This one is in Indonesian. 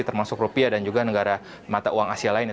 termasuk rupiah dan juga negara mata uang asia lainnya